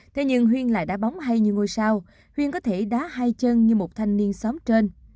thế nhưng huyên lại đá bóng hay như ngôi sao huyên có thể đá hai chân như một thanh niên xóm trên